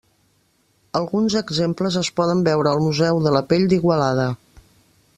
Alguns exemples es poden veure al Museu de la Pell d'Igualada.